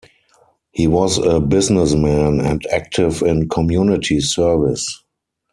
He was a businessman and active in community service.